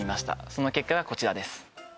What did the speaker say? その結果がこちらです